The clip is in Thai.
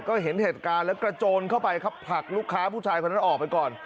ก็เห็นเหตุการณ์แล้วกระโจนเข้าไปครับผลักลูกค้าผู้ชายคนนั้นออกไปก่อน